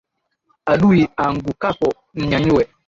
Adui aangukapo mnyanyue